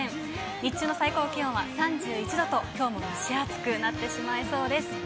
日中の最高気温は３１度と、きょうも蒸し暑くなってしまいそうです。